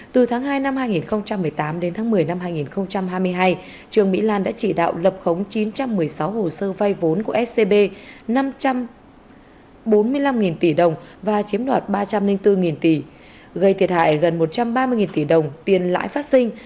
từ tháng hai năm hai nghìn một mươi tám đến tháng một mươi năm hai nghìn hai mươi hai trương mỹ lan đã chỉ đạo lập khống chín trăm một mươi sáu hồ sơ vay vốn của scb năm trăm bốn mươi năm tỷ đồng và chiếm đoạt ba trăm linh bốn tỷ gây thiệt hại gần một trăm ba mươi tỷ đồng tiền lãi phát sinh